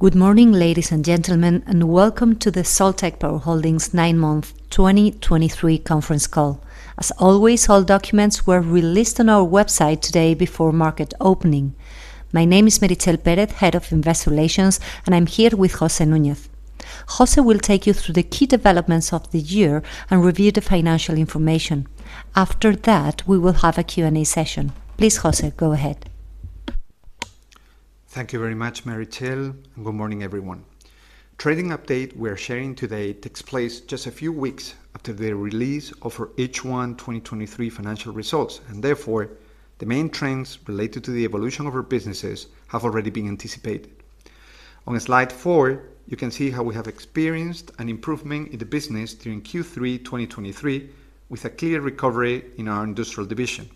Good morning, ladies and gentlemen, and welcome to the Soltec Power Holdings' nine-month 2023 conference call. As always, all documents were released on our website today before market opening. My name is Meritxell Pérez, Head of Investor Relations, and I'm here with José Núñez. José will take you through the key developments of the year and review the financial information. After that, we will have a Q&A session. Please, José, go ahead. Thank you very much, Meritxell, and good morning, everyone. Trading update we are sharing today takes place just a few weeks after the release of our H1 2023 financial results, and therefore, the main trends related to the evolution of our businesses have already been anticipated. On slide four, you can see how we have experienced an improvement in the business during Q3 2023, with a clear recovery in our industrial division.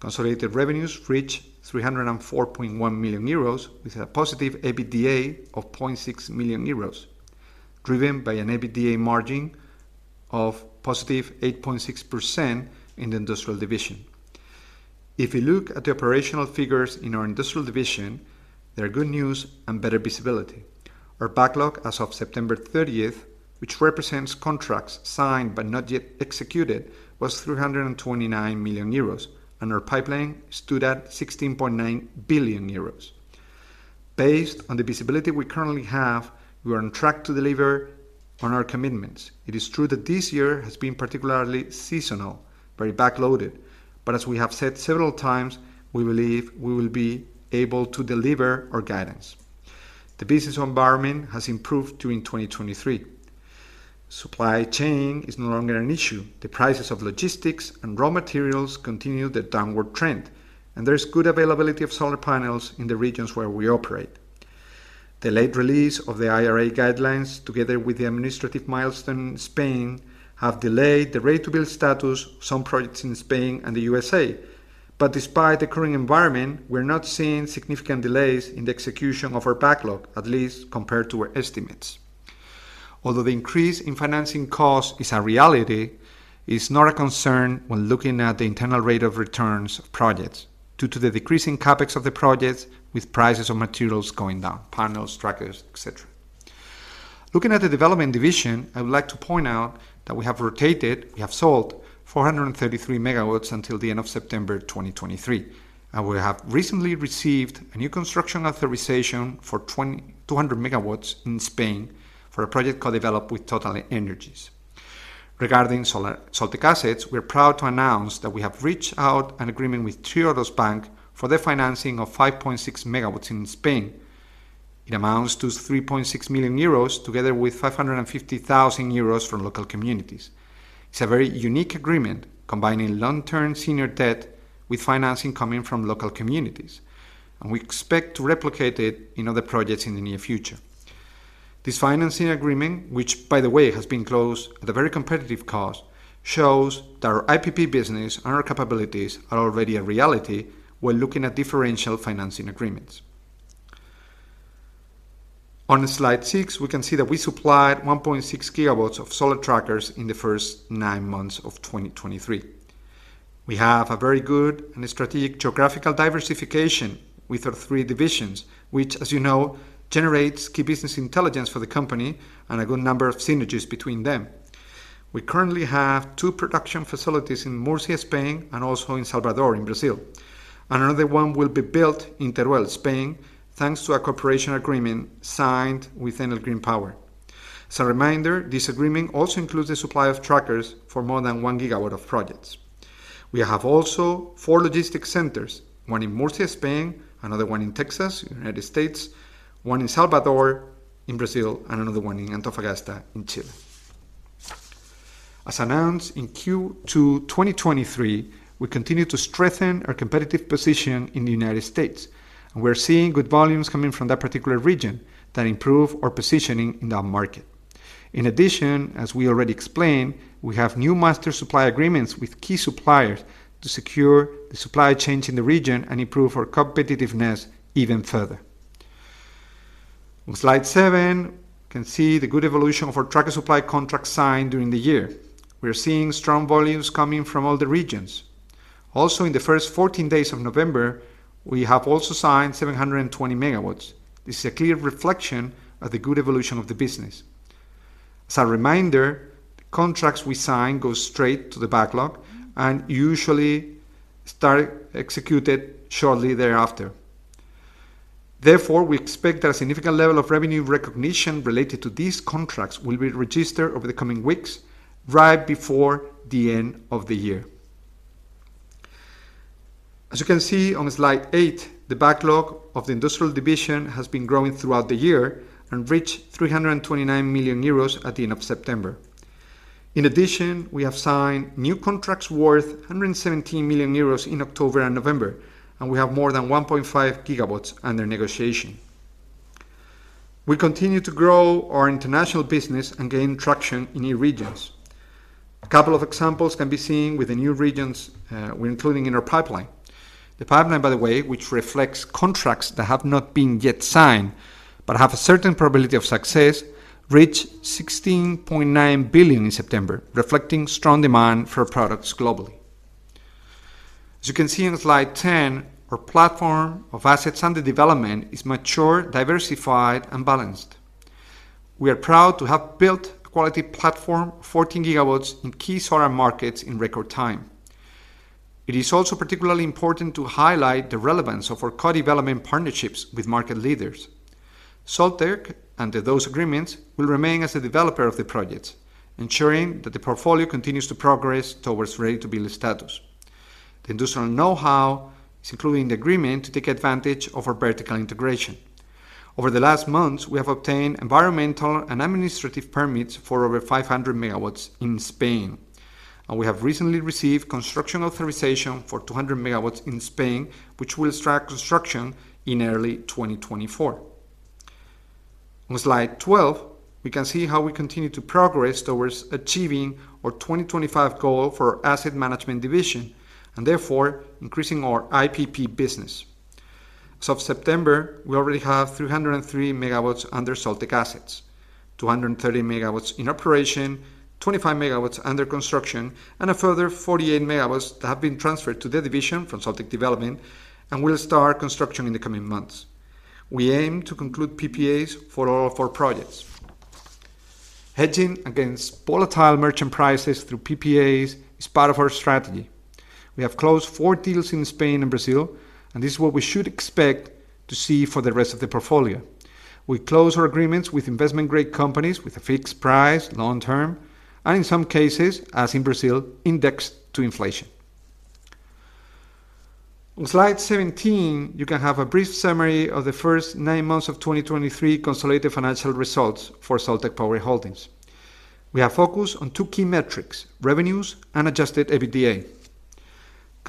Consolidated revenues reached 304.1 million euros, with a positive EBITDA of 0.6 million euros, driven by an EBITDA margin of positive 8.6% in the industrial division. If you look at the operational figures in our industrial division, there are good news and better visibility. Our backlog as of September 30th, which represents contracts signed but not yet executed, was 329 million euros, and our pipeline stood at 16.9 billion euros. Based on the visibility we currently have, we are on track to deliver on our commitments. It is true that this year has been particularly seasonal, very backloaded, but as we have said several times, we believe we will be able to deliver our guidance. The business environment has improved during 2023. Supply chain is no longer an issue. The prices of logistics and raw materials continue their downward trend, and there is good availability of solar panels in the regions where we operate. The late release of the IRA guidelines, together with the administrative milestone in Spain, have delayed the ready-to-build status of some projects in Spain and the U.S.A. Despite the current environment, we are not seeing significant delays in the execution of our backlog, at least compared to our estimates. Although the increase in financing cost is a reality, it's not a concern when looking at the internal rate of returns of projects, due to the decreasing CapEx of the projects with prices of materials going down, panels, trackers, et cetera. Looking at the development division, I would like to point out that we have rotated, we have sold 433 MW until the end of September 2023, and we have recently received a new construction authorization for 200 MW in Spain for a project co-developed with TotalEnergies. Regarding Soltec Assets, we are proud to announce that we have reached out an agreement with Triodos Bank for the financing of 5.6 MW in Spain. It amounts to 3.6 million euros, together with 550,000 euros from local communities. It's a very unique agreement, combining long-term senior debt with financing coming from local communities, and we expect to replicate it in other projects in the near future. This financing agreement, which by the way, has been closed at a very competitive cost, shows that our IPP business and our capabilities are already a reality when looking at differential financing agreements. On slide six, we can see that we supplied 1.6 GW of solar trackers in the first nine months of 2023. We have a very good and strategic geographical diversification with our three divisions, which, as you know, generates key business intelligence for the company and a good number of synergies between them. We currently have two production facilities in Murcia, Spain, and also in Salvador, in Brazil, and another one will be built in Teruel, Spain, thanks to a cooperation agreement signed with Enel Green Power. As a reminder, this agreement also includes the supply of trackers for more than 1 GW of projects. We have also four logistic centers, one in Murcia, Spain, another one in Texas, United States, one in Salvador, in Brazil, and another one in Antofagasta, in Chile. As announced in Q2 2023, we continue to strengthen our competitive position in the United States. We're seeing good volumes coming from that particular region that improve our positioning in that market. In addition, as we already explained, we have new master supply agreements with key suppliers to secure the supply chain in the region and improve our competitiveness even further. On slide seven, you can see the good evolution of our tracker supply contracts signed during the year. We are seeing strong volumes coming from all the regions. Also, in the first 14 days of November, we have also signed 720 MW. This is a clear reflection of the good evolution of the business. As a reminder, the contracts we sign go straight to the backlog and usually start executed shortly thereafter. Therefore, we expect that a significant level of revenue recognition related to these contracts will be registered over the coming weeks, right before the end of the year. As you can see on slide eight, the backlog of the industrial division has been growing throughout the year and reached 329 million euros at the end of September. In addition, we have signed new contracts worth 117 million euros in October and November, and we have more than 1.5 GW under negotiation. We continue to grow our international business and gain traction in new regions. A couple of examples can be seen with the new regions, we're including in our pipeline. The pipeline, by the way, which reflects contracts that have not been yet signed, but have a certain probability of success, reached 16.9 billion in September, reflecting strong demand for our products globally. As you can see in slide 10, our platform of assets under development is mature, diversified, and balanced. We are proud to have built a quality platform, 14 GW, in key solar markets in record time. It is also particularly important to highlight the relevance of our co-development partnerships with market leaders. Soltec, under those agreements, will remain as the developer of the projects, ensuring that the portfolio continues to progress towards Ready-to-Build status. The industrial know-how is included in the agreement to take advantage of our vertical integration. Over the last months, we have obtained environmental and administrative permits for over 500 MW in Spain, and we have recently received construction authorization for 200 MW in Spain, which will start construction in early 2024. On slide 12, we can see how we continue to progress towards achieving our 2025 goal for our asset management division, and therefore increasing our IPP business. As of September, we already have 303 MW under Soltec Assets, 230 MW in operation, 25 MW under construction, and a further 48 MW that have been transferred to the division from Soltec Development, and will start construction in the coming months. We aim to conclude PPAs for all of our projects. Hedging against volatile merchant prices through PPAs is part of our strategy. We have closed four deals in Spain and Brazil, and this is what we should expect to see for the rest of the portfolio. We close our agreements with investment-grade companies with a fixed price long-term, and in some cases, as in Brazil, indexed to inflation. On slide 17, you can have a brief summary of the first nine months of 2023 consolidated financial results for Soltec Power Holdings. We are focused on two key metrics: revenues and adjusted EBITDA.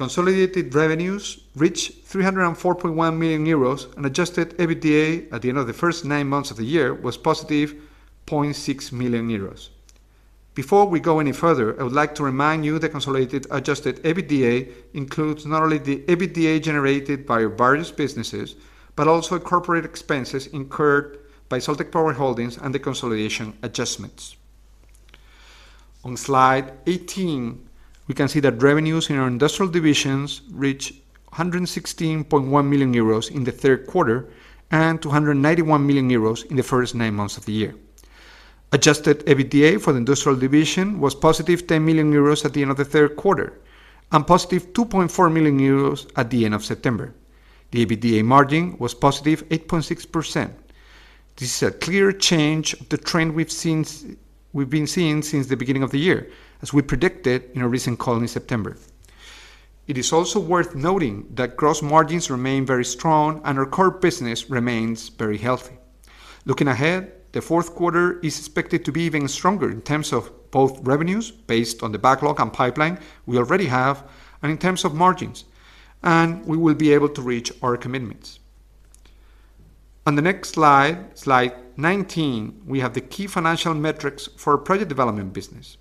Consolidated revenues reached 304.1 million euros, and adjusted EBITDA at the end of the first nine months of the year was positive 0.6 million euros. Before we go any further, I would like to remind you that consolidated adjusted EBITDA includes not only the EBITDA generated by our various businesses, but also corporate expenses incurred by Soltec Power Holdings and the consolidation adjustments. On slide 18, we can see that revenues in our industrial divisions reached 116.1 million euros in the third quarter, and 291 million euros in the first nine months of the year. Adjusted EBITDA for the industrial division was positive 10 million euros at the end of the third quarter, and positive 2.4 million euros at the end of September. The EBITDA margin was positive 8.6%. This is a clear change of the trend we've seen we've been seeing since the beginning of the year, as we predicted in our recent call in September. It is also worth noting that gross margins remain very strong and our core business remains very healthy. Looking ahead, the fourth quarter is expected to be even stronger in terms of both revenues, based on the backlog and pipeline we already have, and in terms of margins, and we will be able to reach our commitments. On the next slide, slide 19, we have the key financial metrics for our project development business.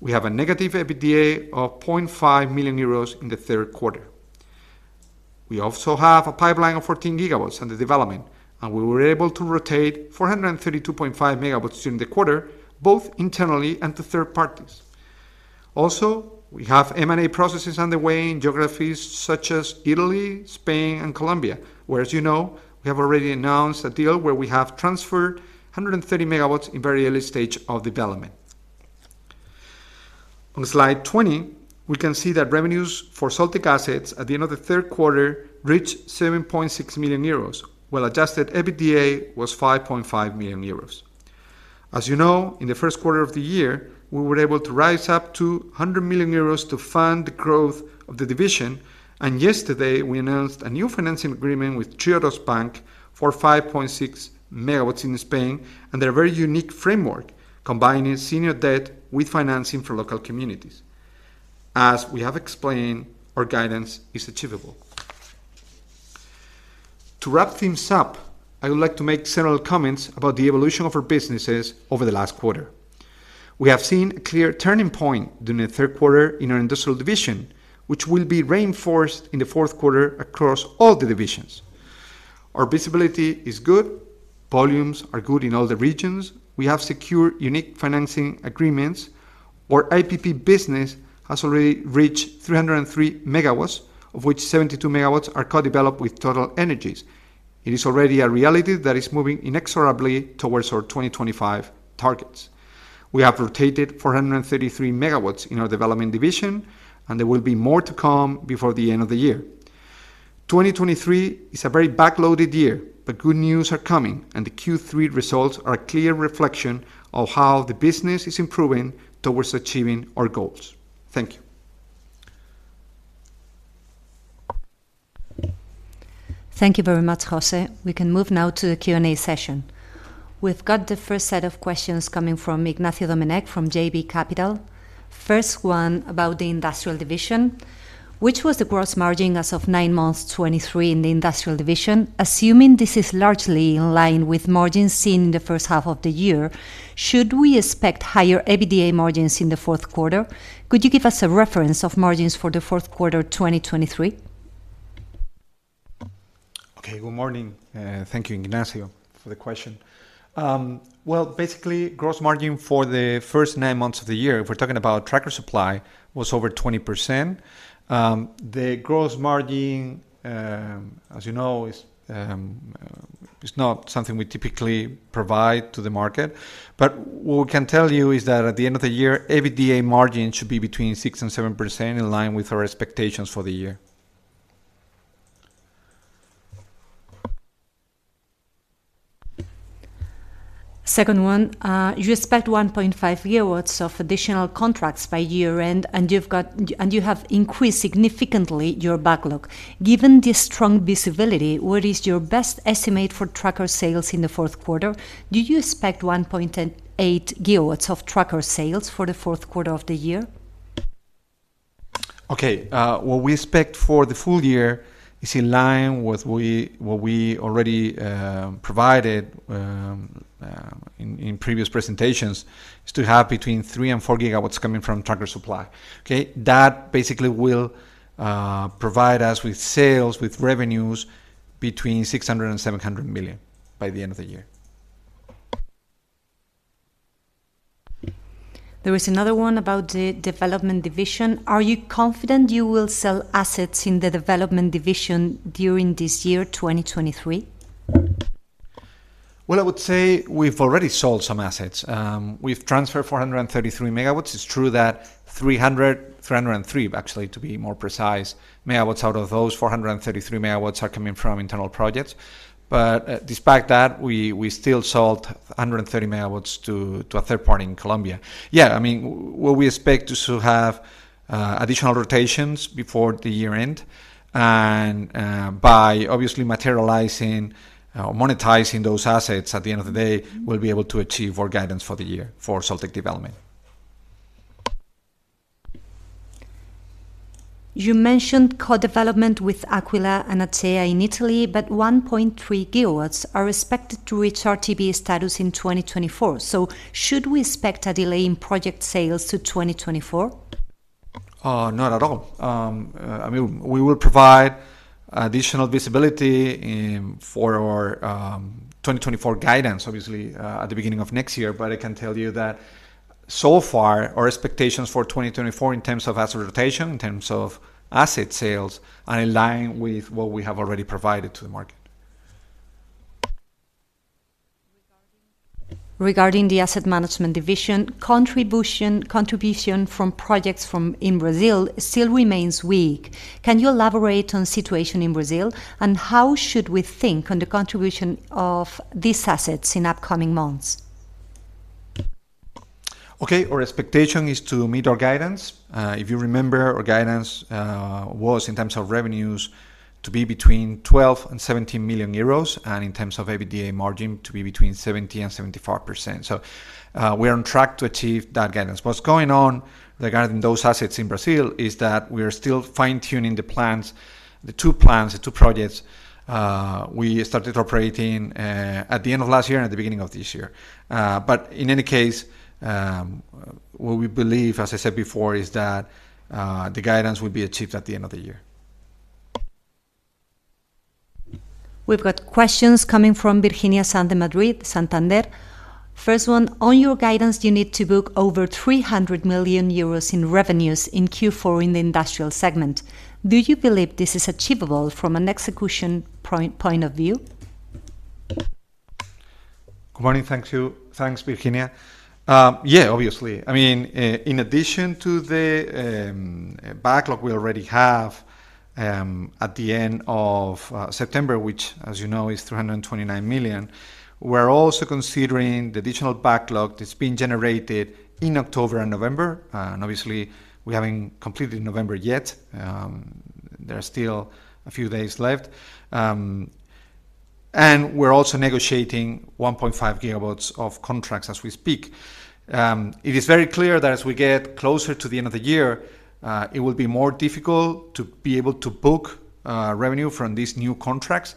We have a negative EBITDA of 0.5 million euros in the third quarter. We also have a pipeline of 14 GW under development, and we were able to rotate 432.5 MW during the quarter, both internally and to third-parties. Also, we have M&A processes underway in geographies such as Italy, Spain, and Colombia, where, as you know, we have already announced a deal where we have transferred 130 MW in very early stage of development. On slide 20, we can see that revenues for Soltec Assets at the end of the third quarter reached 7.6 million euros, while adjusted EBITDA was 5.5 million euros. As you know, in the first quarter of the year, we were able to raise up to 100 million euros to fund the growth of the division, and yesterday, we announced a new financing agreement with Triodos Bank for 5.6 MW in Spain, under a very unique framework, combining senior debt with financing for local communities. As we have explained, our guidance is achievable. To wrap things up, I would like to make several comments about the evolution of our businesses over the last quarter. We have seen a clear turning point during the third quarter in our industrial division, which will be reinforced in the fourth quarter across all the divisions. Our visibility is good. Volumes are good in all the regions. We have secured unique financing agreements. Our IPP business has already reached 303 MW, of which 72 MW are co-developed with TotalEnergies. It is already a reality that is moving inexorably towards our 2025 targets. We have rotated 433 MW in our development division, and there will be more to come before the end of the year. 2023 is a very backloaded year, but good news are coming, and the Q3 results are a clear reflection of how the business is improving towards achieving our goals. Thank you. Thank you very much, José. We can move now to the Q&A session. We've got the first set of questions coming from Ignacio Domenech from JB Capital. First one about the industrial division: Which was the gross margin as of nine months 2023 in the industrial division? Assuming this is largely in line with margins seen in the first half of the year, should we expect higher EBITDA margins in the fourth quarter? Could you give us a reference of margins for the fourth quarter, 2023? Okay, good morning, thank you, Ignacio, for the question. Well, basically, gross margin for the first nine months of the year, if we're talking about tracker supply, was over 20%. The gross margin, as you know, is not something we typically provide to the market, but what we can tell you is that at the end of the year, EBITDA margin should be between 6% and 7%, in line with our expectations for the year. Second one: You expect 1.5 GW of additional contracts by year-end, and you've got—and you have increased significantly your backlog. Given this strong visibility, what is your best estimate for tracker sales in the fourth quarter? Do you expect 1.8 GW of tracker sales for the fourth quarter of the year? Okay, what we expect for the full year is in line with what we already provided in previous presentations, is to have between 3 and 4 GW coming from tracker supply, okay? That basically will provide us with sales, with revenues between 600 million and 700 million by the end of the year. There is another one about the development division. Are you confident you will sell assets in the development division during this year, 2023? Well, I would say we've already sold some assets. We've transferred 433 MW. It's true that 303 MW, actually, to be more precise, out of those 433 MW are coming from internal projects. But despite that, we still sold 130 MW to a third-party in Colombia. Yeah, I mean, what we expect to still have additional rotations before the year-end, and by obviously materializing or monetizing those assets, at the end of the day, we'll be able to achieve our guidance for the year for Soltec Development. You mentioned co-development with Aquila and ACEA in Italy, but 1.3 GW are expected to reach RTB status in 2024. So should we expect a delay in project sales to 2024? Not at all. I mean, we will provide additional visibility in, for our, 2024 guidance, obviously, at the beginning of next year. But I can tell you that so far, our expectations for 2024 in terms of asset rotation, in terms of asset sales, are in line with what we have already provided to the market. Regarding the asset management division, contribution from projects in Brazil still remains weak. Can you elaborate on situation in Brazil, and how should we think on the contribution of these assets in upcoming months? Okay, our expectation is to meet our guidance. If you remember, our guidance was, in terms of revenues, to be between 12 million and 17 million euros, and in terms of EBITDA margin, to be between 70% and 75%. So, we are on track to achieve that guidance. What's going on regarding those assets in Brazil is that we are still fine-tuning the plans, the two plans, the two projects, we started operating, at the end of last year and at the beginning of this year. But in any case, what we believe, as I said before, is that the guidance will be achieved at the end of the year. We've got questions coming from Virginia Sanz de Madrid, Santander. First one: On your guidance, you need to book over 300 million euros in revenues in Q4 in the industrial segment. Do you believe this is achievable from an execution point of view? Good morning. Thank you. Thanks, Virginia. Yeah, obviously. I mean, in addition to the backlog we already have at the end of September, which, as you know, is 329 million, we're also considering the additional backlog that's been generated in October and November. And obviously, we haven't completed November yet, there are still a few days left. And we're also negotiating 1.5 GW of contracts as we speak. It is very clear that as we get closer to the end of the year, it will be more difficult to be able to book revenue from these new contracts.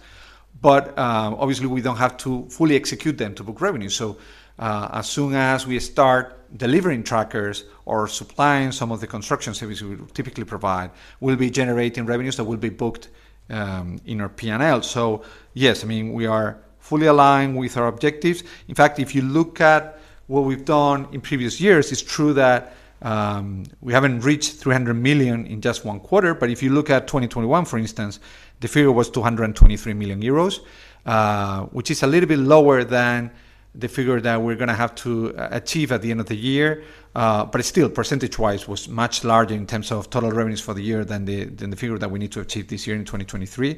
But, obviously, we don't have to fully execute them to book revenue. So, as soon as we start delivering trackers or supplying some of the construction services we typically provide, we'll be generating revenues that will be booked in our P&L. So yes, I mean, we are fully aligned with our objectives. In fact, if you look at what we've done in previous years, it's true that we haven't reached 300 million in just one quarter, but if you look at 2021, for instance, the figure was 223 million euros, which is a little bit lower than the figure that we're gonna have to achieve at the end of the year. But still, percentage-wise, was much larger in terms of total revenues for the year than the figure that we need to achieve this year in 2023.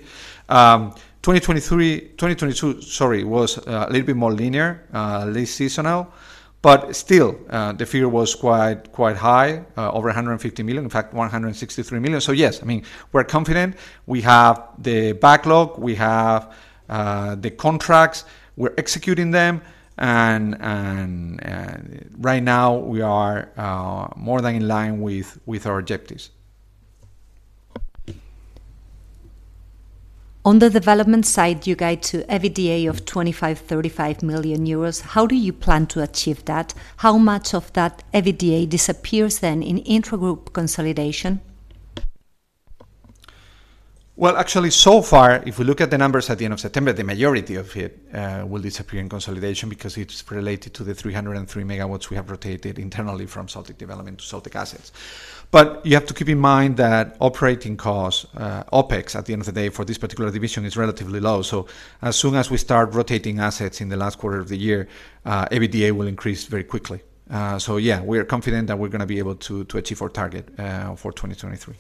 2023... 2022, sorry, was a little bit more linear, less seasonal, but still, the figure was quite, quite high, over 150 million, in fact, 163 million. So yes, I mean, we're confident. We have the backlog, we have the contracts, we're executing them, and, and, and right now we are more than in line with our objectives. On the development side, you guide to EBITDA of 25 million-35 million euros. How do you plan to achieve that? How much of that EBITDA disappears then in intragroup consolidation? Well, actually, so far, if we look at the numbers at the end of September, the majority of it will disappear in consolidation because it's related to the 303 MW we have rotated internally from Soltec Development to Soltec Assets. But you have to keep in mind that operating costs, OpEx, at the end of the day, for this particular division, is relatively low. So as soon as we start rotating assets in the last quarter of the year, EBITDA will increase very quickly. So yeah, we are confident that we're gonna be able to achieve our target for 2023.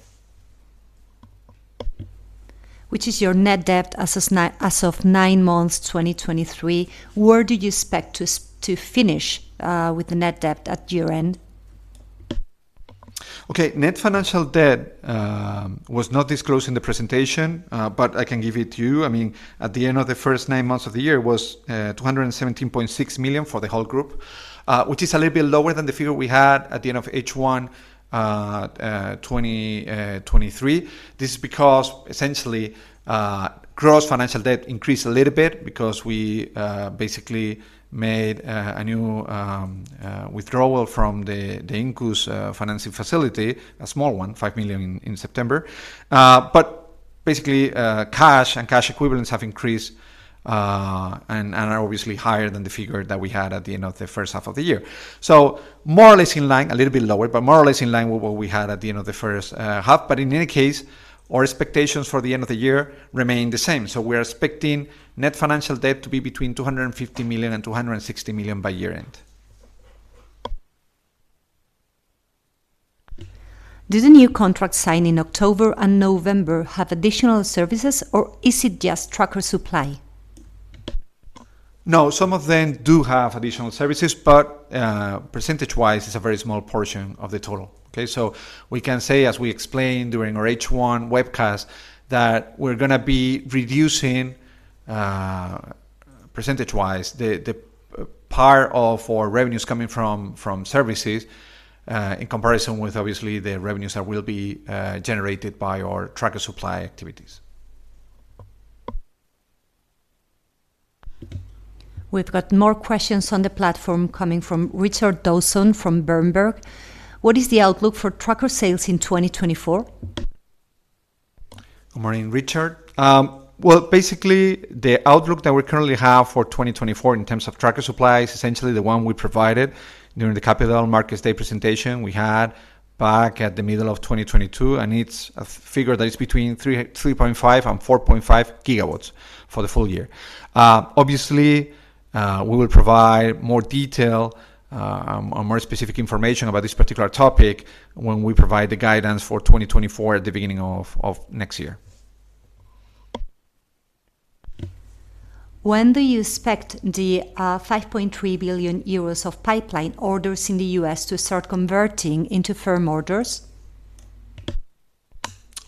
Which is your net debt as of nine months, 2023, where do you expect to finish with the net debt at year-end? Okay. Net financial debt was not disclosed in the presentation, but I can give it to you. I mean, at the end of the first nine months of the year, it was 217.6 million for the whole group, which is a little bit lower than the figure we had at the end of H1 2023. This is because, essentially, gross financial debt increased a little bit because we basically made a new withdrawal from the Incus financing facility, a small one, 5 million in September. But basically, cash and cash equivalents have increased, and are obviously higher than the figure that we had at the end of the first half of the year. So more or less in line, a little bit lower, but more or less in line with what we had at the end of the first half. But in any case, our expectations for the end of the year remain the same. So we are expecting net financial debt to be between 250 million and 260 million by year-end. Do the new contracts signed in October and November have additional services, or is it just tracker supply? No, some of them do have additional services, but percentage-wise, it's a very small portion of the total. Okay? So we can say, as we explained during our H1 webcast, that we're gonna be reducing percentage-wise, the part of our revenues coming from services, in comparison with, obviously, the revenues that will be generated by our tracker supply activities. We've got more questions on the platform coming from Richard Dawson from Berenberg. What is the outlook for tracker sales in 2024? Good morning, Richard. Well, basically, the outlook that we currently have for 2024 in terms of tracker supply is essentially the one we provided during the Capital Markets Day presentation we had back at the middle of 2022, and it's a figure that is between 3.5 and 4.5 GW for the full year. Obviously, we will provide more detail or more specific information about this particular topic when we provide the guidance for 2024 at the beginning of next year. When do you expect the 5.3 billion euros of pipeline orders in the U.S. to start converting into firm orders?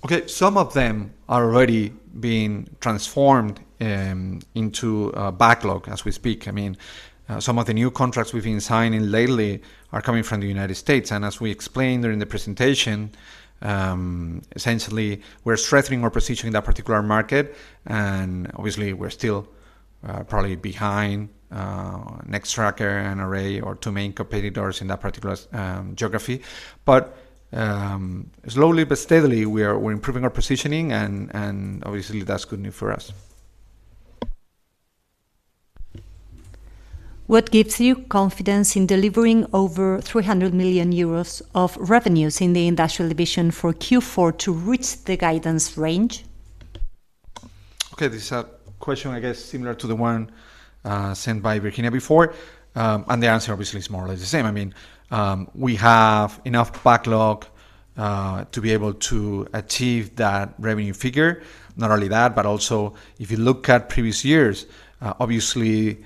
Okay, some of them are already being transformed into a backlog as we speak. I mean, some of the new contracts we've been signing lately are coming from the United States, and as we explained during the presentation, essentially, we're strengthening our position in that particular market. And obviously, we're still probably behind Nextracker and Array, our two main competitors in that particular geography. But slowly but steadily, we are, we're improving our positioning, and obviously, that's good news for us. What gives you confidence in delivering over 300 million euros of revenues in the industrial division for Q4 to reach the guidance range? Okay, this is a question, I guess, similar to the one sent by Virginia before, and the answer, obviously, is more or less the same. I mean, we have enough backlog to be able to achieve that revenue figure. Not only that, but also if you look at previous years, obviously,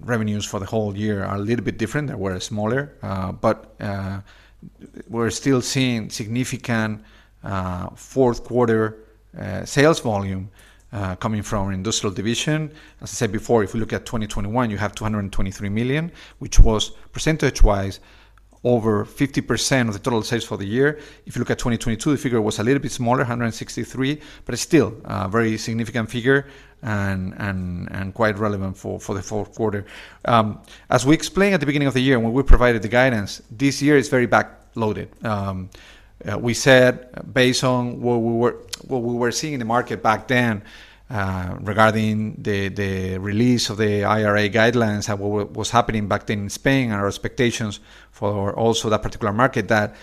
revenues for the whole year are a little bit different. They were smaller, but we're still seeing significant fourth quarter sales volume coming from our industrial division. As I said before, if you look at 2021, you have 223 million, which was, percentage-wise, over 50% of the total sales for the year. If you look at 2022, the figure was a little bit smaller, 163 million, but it's still a very significant figure and quite relevant for the fourth quarter. As we explained at the beginning of the year when we provided the guidance, this year is very backloaded. We said, based on what we were seeing in the market back then, regarding the release of the IRA guidelines and what was happening back then in Spain and our expectations for also that particular market, that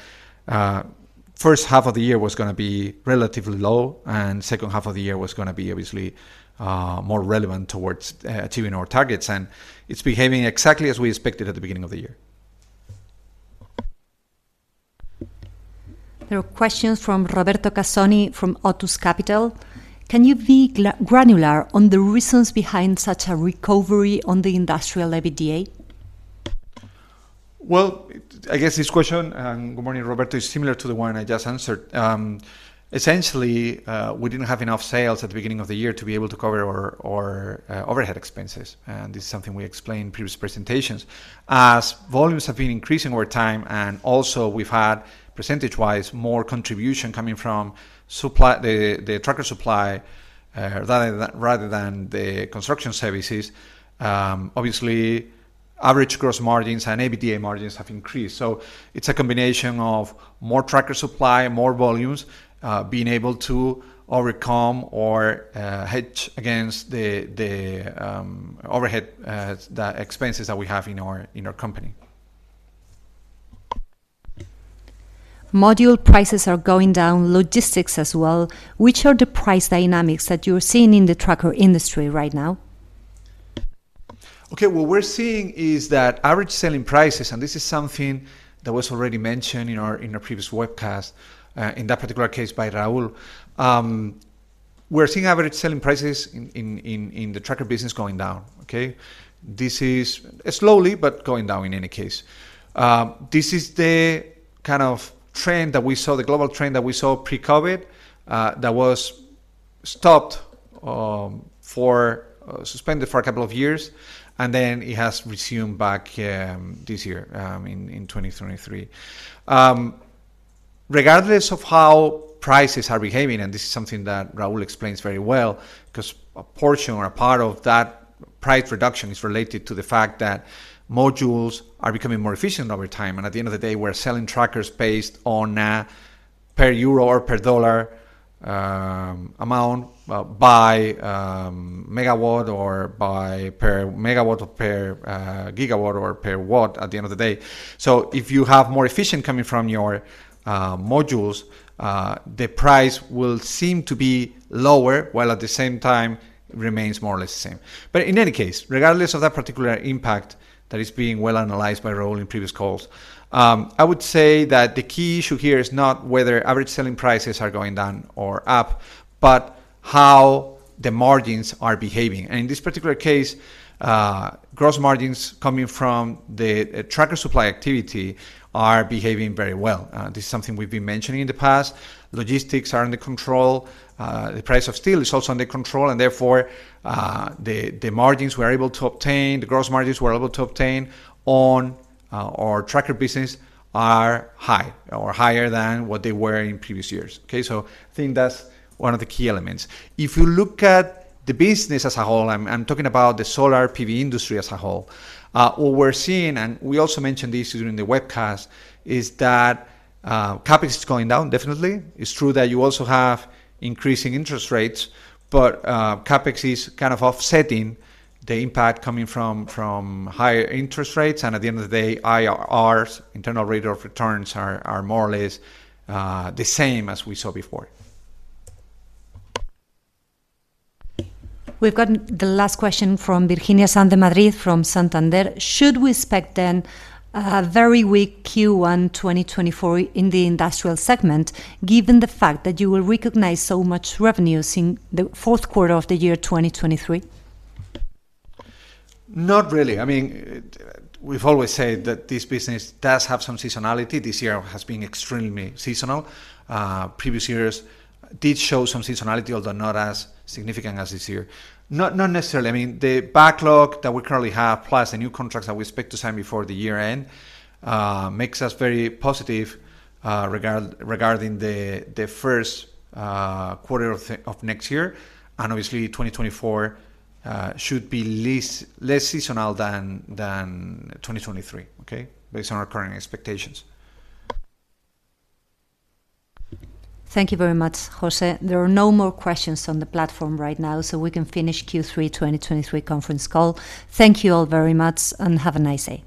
first half of the year was gonna be relatively low, and second half of the year was gonna be, obviously, more relevant towards achieving our targets. And it's behaving exactly as we expected at the beginning of the year. There are questions from Roberto Casoni from Otus Capital: Can you be granular on the reasons behind such a recovery on the industrial EBITDA? Well, I guess this question, and good morning, Roberto, is similar to the one I just answered. Essentially, we didn't have enough sales at the beginning of the year to be able to cover our overhead expenses, and this is something we explained in previous presentations. As volumes have been increasing over time, and also we've had, percentage-wise, more contribution coming from supply... the tracker supply, rather than the construction services, obviously average gross margins and EBITDA margins have increased. So it's a combination of more tracker supply, more volumes, being able to overcome or hedge against the overhead expenses that we have in our company. Module prices are going down, logistics as well. Which are the price dynamics that you're seeing in the tracker industry right now? Okay. What we're seeing is that average selling prices, and this is something that was already mentioned in our previous webcast, in that particular case, by Raúl. We're seeing average selling prices in the tracker business going down, okay? This is slowly, but going down in any case. This is the kind of trend that we saw, the global trend that we saw pre-COVID, that was stopped, suspended for a couple of years, and then it has resumed back, this year, in 2023. Regardless of how prices are behaving, and this is something that Raúl explains very well, 'cause a portion or a part of that price reduction is related to the fact that modules are becoming more efficient over time. At the end of the day, we're selling trackers based on a per euro or per dollar amount by megawatt or by per megawatt or per gigawatt or per watt at the end of the day. So if you have more efficient coming from your modules, the price will seem to be lower, while at the same time remains more or less the same. But in any case, regardless of that particular impact that is being well analyzed by Raúl in previous calls, I would say that the key issue here is not whether average selling prices are going down or up, but how the margins are behaving. And in this particular case, gross margins coming from the tracker supply activity are behaving very well. This is something we've been mentioning in the past. Logistics are under control, the price of steel is also under control, and therefore, the margins we are able to obtain, the gross margins we are able to obtain on, our tracker business are high, or higher than what they were in previous years. Okay, so I think that's one of the key elements. If you look at the business as a whole, I'm talking about the solar PV industry as a whole, what we're seeing, and we also mentioned this during the webcast, is that, CapEx is going down, definitely. It's true that you also have increasing interest rates, but, CapEx is kind of offsetting the impact coming from higher interest rates. And at the end of the day, IRRs, internal rate of returns, are more or less, the same as we saw before. We've got the last question from Virginia Sanz de Madrid from Santander: Should we expect, then, a very weak Q1 2024 in the industrial segment, given the fact that you will recognize so much revenues in the fourth quarter of the year 2023? Not really. I mean, we've always said that this business does have some seasonality. This year has been extremely seasonal. Previous years did show some seasonality, although not as significant as this year. Not necessarily. I mean, the backlog that we currently have, plus the new contracts that we expect to sign before the year end, makes us very positive regarding the first quarter of next year. And obviously, 2024 should be less seasonal than 2023, okay? Based on our current expectations. Thank you very much, José. There are no more questions on the platform right now, so we can finish Q3 2023 conference call. Thank you all very much, and have a nice day.